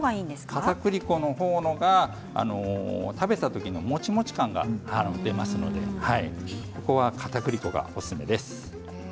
かたくり粉のほうが食べたときにもちもち感が出ますので、かたくり粉がおすすめです。